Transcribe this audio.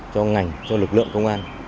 cho ngành cho lực lượng công an